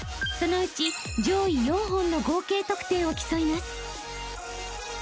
［そのうち上位４本の合計得点を競います］